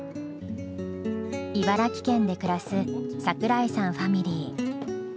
茨城県で暮らす櫻井さんファミリー。